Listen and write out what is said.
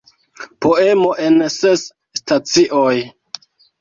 Poemo en ses stacioj".